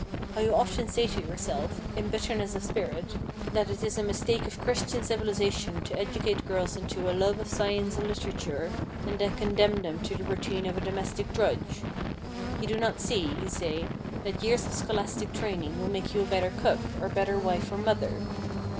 How you often say to yourself, in bitterness of spirit, that it is a mistake of Christian civilization to educate girls into a love of science and literature, and then condemn them to the routine of a domestic drudge. You do not see, you say, that years of scholastic training will make you a better cook, a better wife or mother.